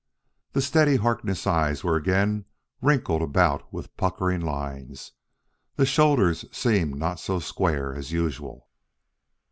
The steady Harkness eyes were again wrinkled about with puckering lines; the shoulders seemed not so square as usual.